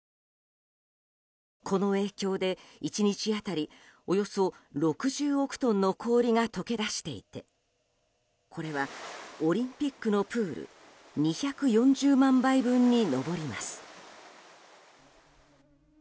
この影響で、１日当たりおよそ６０億トンの氷が解け出していてこれはオリンピックのプール２４０万杯分に上ります。